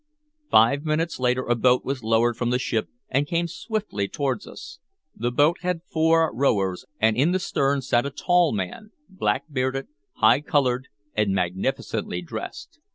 Five minutes later a boat was lowered from the ship, and came swiftly toward us. The boat had four rowers, and in the stern sat a tall man, black bearded, high colored, and magnificently dressed.